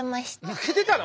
抜けてたの？